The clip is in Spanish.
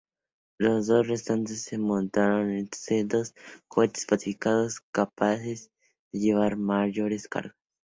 Los dos restantes se montaron en sendos cohetes modificados, capaces de llevar mayores cargas.